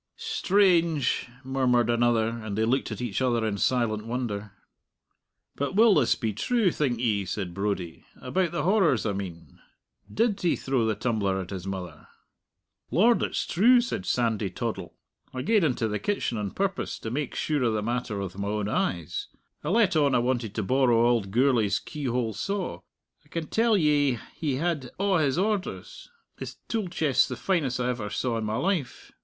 "Strange!" murmured another; and they looked at each other in silent wonder. "But will this be true, think ye?" said Brodie "about the horrors, I mean. Did he throw the tumbler at his mother?" "Lord, it's true!" said Sandy Toddle. "I gaed into the kitchen on purpose to make sure o' the matter with my own eyes. I let on I wanted to borrow auld Gourlay's keyhole saw. I can tell ye he had a' his orders his tool chest's the finest I ever saw in my life!